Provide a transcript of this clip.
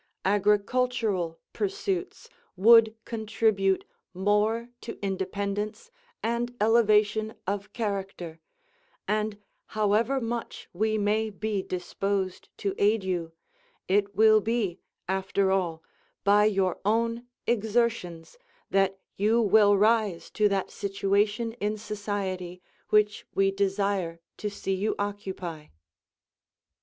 Agricultural pursuits would contribute more to independence and elevation of character, and however much we may be disposed to aid you, it will be after all by your own exertions that you will rise to that situation in society, which we desire to see you occupy.